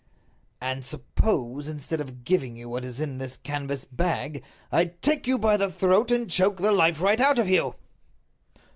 "And suppose, instead of giving you what is in this canvas bag, I take you by the throat and choke the life right out of you?"